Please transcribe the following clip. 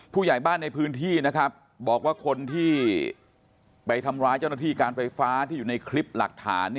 ผู้ใหญ่บ้านในพื้นที่นะครับบอกว่าคนที่ไปทำร้ายเจ้าหน้าที่การไฟฟ้าที่อยู่ในคลิปหลักฐาน